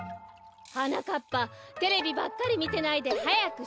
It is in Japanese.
はなかっぱテレビばっかりみてないではやくしゅくだいしなさい。